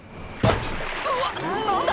「うわ！何だ？